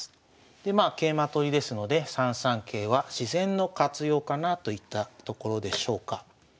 でまあ桂馬取りですので３三桂は自然の活用かなといったところでしょうか。